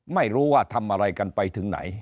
ไม่รู้ว่าทำอะไรกันไปถึงไหน